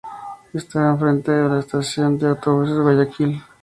Estaba enfrente de la estación de autobuses de Guayaquil.